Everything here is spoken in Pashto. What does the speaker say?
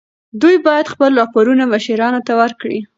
دوی باید خپل راپورونه مشرانو ته ورکړي.